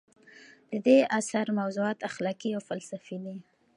د دې اثر موضوعات اخلاقي او فلسفي دي.